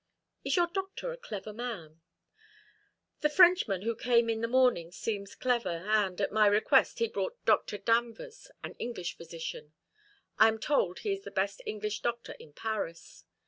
"Is your doctor a clever man?" "The Frenchman who came in the morning seems clever; and, at my request, he brought Dr. Danvers, an English physician. I am told he is the best English doctor in Paris.